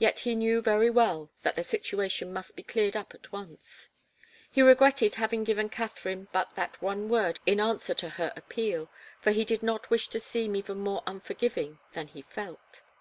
Yet he knew very well that the situation must be cleared up at once. He regretted having given Katharine but that one word in answer to her appeal for he did not wish to seem even more unforgiving than he felt.